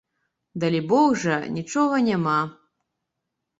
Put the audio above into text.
Далібог жа, нічога няма.